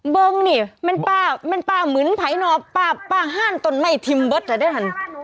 บึ้งนี่เป็นป้ามือถ่ายนอป้าห้ั่นต้นไม่ธิมเบิ๊ดอ่ะ